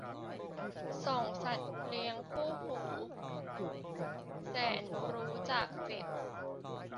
ส่องสัตว์เลี้ยงคู่หูแสนรู้ จาก เจ็ด